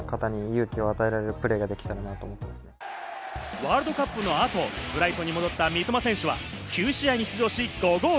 ワールドカップのあとブライトンに戻った三笘選手は９試合に出場し５ゴール。